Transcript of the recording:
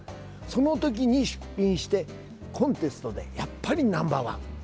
その時に出品してコンテストでやっぱりナンバー１。